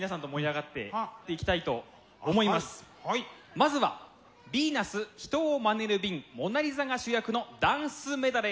まずはヴィーナス人を真似る瓶モナ・リザが主役のダンスメドレー！